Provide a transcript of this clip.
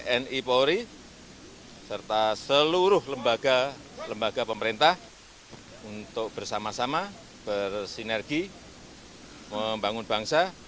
tni polri serta seluruh lembaga lembaga pemerintah untuk bersama sama bersinergi membangun bangsa